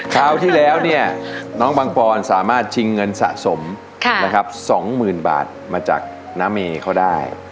คราวที่แล้วเนี่ยน้องปังปอนสามารถชิงเงินสะสมนะครับ๒๐๐๐บาทมาจากน้าเมย์เขาได้